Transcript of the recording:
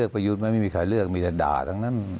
ประยุทธ์ไม่มีใครเลือกมีแต่ด่าทั้งนั้น